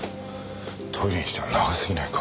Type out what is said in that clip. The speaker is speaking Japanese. トイレにしては長すぎないか？